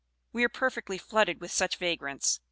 We are perfectly flooded with such vagrants.